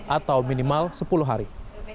atau minimal sepuluh hari